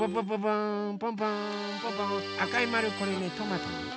あかいまるこれねトマト。